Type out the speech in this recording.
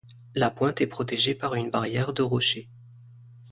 La pointe est protégée par une barrière de rochers.